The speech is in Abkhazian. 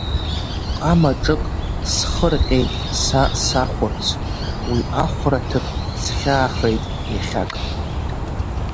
Ҟама ҿык схырҟьеит са сахәырц, уи ахәра ҭыԥ схьаахеит иахьак.